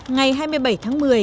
ngày hai mươi bảy tháng một mươi